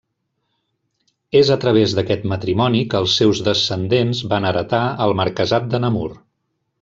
És a través d'aquest matrimoni que els seus descendents van heretar el marquesat de Namur.